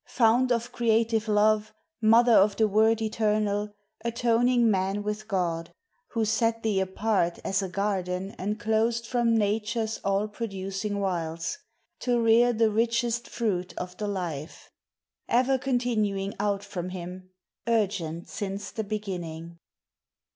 Fount of creative Love Mother of the Word eternal Atoning man with God: Who set thee apart as a garden enclosed From Nature's all producing wilds To rear the richest fruit o' the Life Ever continuing out from Him Urgent since the beginning.